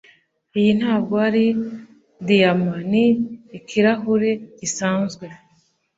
Iyi ntabwo ari diyama. Ni ikirahure gisanzwe.